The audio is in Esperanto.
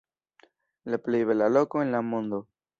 La plej bela loko en la mondo.